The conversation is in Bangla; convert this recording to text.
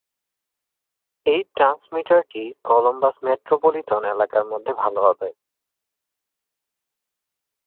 এই ট্রান্সমিটারটি কলম্বাস মেট্রোপলিটন এলাকার মধ্যে ভাল হবে।